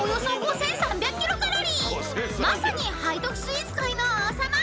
［まさに背徳スイーツ界の王様］